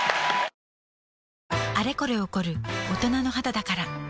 あれこれ起こる大人の肌だから